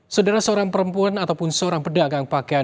saudara seorang perempuan ataupun seorang pedagang pakaian